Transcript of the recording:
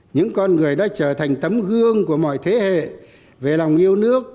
những con người đã trở thành tấm gương của mọi thế hệ về lòng yêu nước